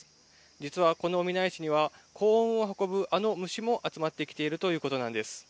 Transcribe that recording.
実はこのオミナエシには、幸運を運ぶ、あの虫も集まってきているということなんです。